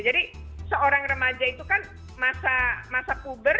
jadi seorang remaja itu kan masa puber